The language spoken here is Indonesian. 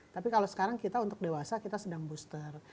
tapi kalau sekarang kita untuk dewasa kita sedang booster